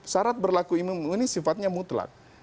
syarat berlaku imun ini sifatnya mutlak